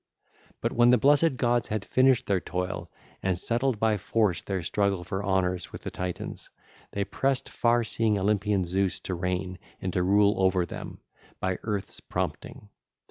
(ll. 881 885) But when the blessed gods had finished their toil, and settled by force their struggle for honours with the Titans, they pressed far seeing Olympian Zeus to reign and to rule over them, by Earth's prompting.